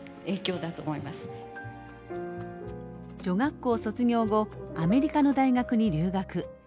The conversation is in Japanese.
女学校卒業後アメリカの大学に留学。